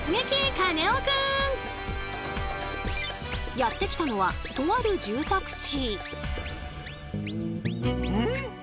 カネオくん！やって来たのはとある住宅地。